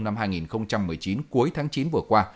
năm hai nghìn một mươi chín cuối tháng chín vừa qua